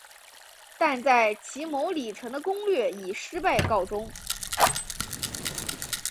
但在骑牟礼城的攻略以失败告终。